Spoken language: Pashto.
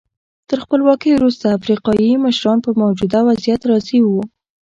تر خپلواکۍ وروسته افریقایي مشران په موجوده وضعیت راضي وو.